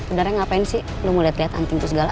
udah deh ngapain sih lo mulai liat anting itu segala